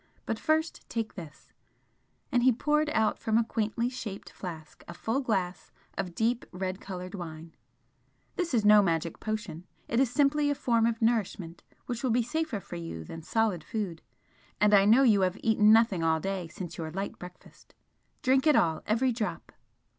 But first take this" and he poured out from a quaintly shaped flask a full glass of deep red coloured wine "This is no magic potion it is simply a form of nourishment which will be safer for you than solid food, and I know you have eaten nothing all day since your light breakfast. Drink it all every drop!"